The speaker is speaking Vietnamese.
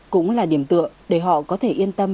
cũng là điểm tựa để họ có thể yên tâm